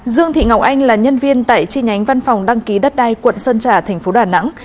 dương thị ngọc anh là nhân viên tại chi nhánh văn phòng đăng ký đất đai quận sơn trà thành phố đà nẵng